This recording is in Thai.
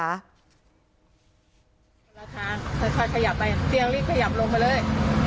ราคาค่อยขยับไปเตียงรีบขยับลงมาเลย